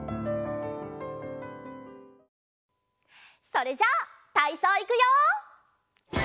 それじゃたいそういくよ！